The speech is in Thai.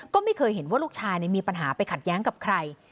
ก็ไม่เคยเห็นว่าลูกชายมีปัญหาไปขัดแย้งกับใคร